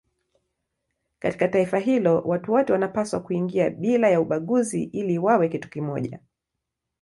Katika taifa hilo watu wote wanapaswa kuingia bila ya ubaguzi ili wawe kitu kimoja.